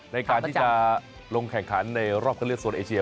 ในการที่จะลงแข่งขันในรอบเข้าเลือกโซนเอเชีย